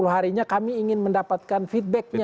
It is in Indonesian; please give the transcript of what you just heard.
tiga puluh harinya kami ingin mendapatkan feedbacknya